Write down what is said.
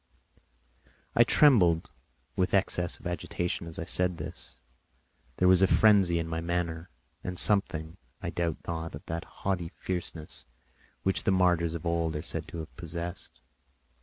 I trembled with excess of agitation as I said this; there was a frenzy in my manner, and something, I doubt not, of that haughty fierceness which the martyrs of old are said to have possessed.